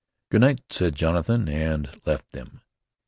"Good night," said Jonathan, and left them.